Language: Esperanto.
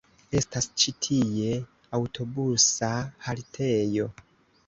Estas ĉi tie aŭtobusa haltejo.